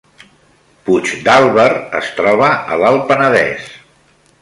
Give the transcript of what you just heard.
Puigdàlber es troba a l’Alt Penedès